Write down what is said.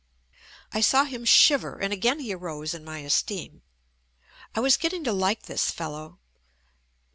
I saw him shiver and again he arose in my esteem. I was getting to like this fellow.